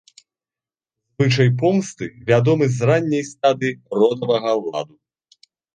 Звычай помсты вядомы з ранняй стадыі родавага ладу.